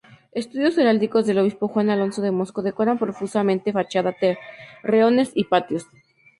Escudos heráldicos del obispo Juan Alonso de Moscoso decoran profusamente fachada, torreones y patios.